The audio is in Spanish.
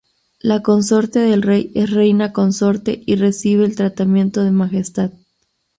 La consorte del rey es reina consorte y recibe el tratamiento de "Majestad".